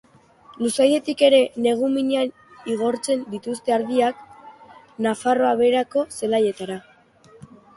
Luzaidetik ere negu minean igortzen dituzte ardiak Nafarroa Behereko zelaietara.